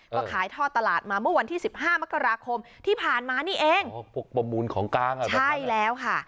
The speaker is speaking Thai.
ก็ขายท่อตลาดมาเมื่อวันที่สิบห้ามกราคมที่ผ่านมานี่เองอ๋อพวกประมูลของกลางอ่ะใช่ไหมใช่แล้วค่ะ